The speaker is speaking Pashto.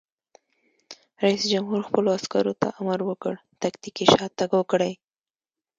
رئیس جمهور خپلو عسکرو ته امر وکړ؛ تکتیکي شاتګ وکړئ!